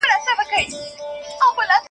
د تور شیطان د جهل او سوځلي .